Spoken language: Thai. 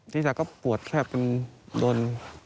ศีรษะก็ปวดแค่เป็นโดน